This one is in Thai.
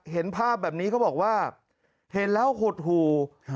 เห็นภาพแบบนี้เขาบอกว่าเห็นแล้วหดหู่